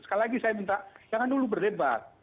sekali lagi saya minta jangan dulu berdebat